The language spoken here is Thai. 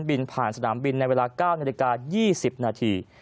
บินผ่านสนามบินในเวลา๙นาฬิกา๒๐นาที